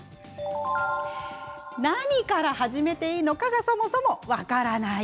何から始めていいのかがそもそも分からない。